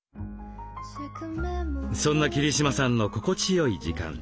そんな桐島さんの心地よい時間。